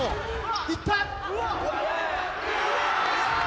いった！